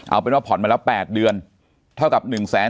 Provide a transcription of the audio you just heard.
เอาเป็นว่าผ่อนมาแล้ว๘เดือนเท่ากับ๑แสน